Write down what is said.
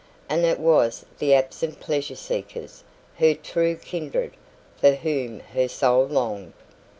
And it was the absent pleasure seekers, her true kindred, for whom her soul longed.